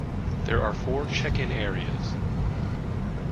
There are four check-in areas.